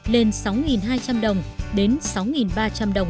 lên sáu hai trăm linh đồng đến sáu ba trăm linh đồng